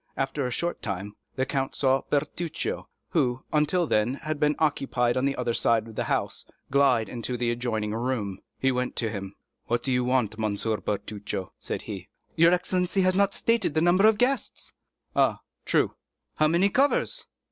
After a short time, the count saw Bertuccio, who, until then, had been occupied on the other side of the house, glide into an adjoining room. He went to him. "What do you want, M. Bertuccio?" said he. "Your excellency has not stated the number of guests." "Ah, true." "How many covers?"